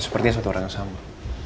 seperti satu orang yang sama